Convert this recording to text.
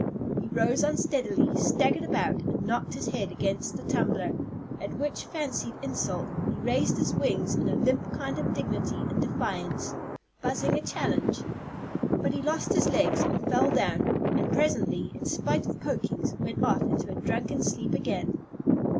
He rose unsteadily, staggered about, and knocked his head against the tumbler; at which fancied insult he raised his wings in a limp kind of dignity and defiance, buzzing a challenge. But he lost his legs, and fell down; and presently, in spite of pokings, went off into a drunken sleep again.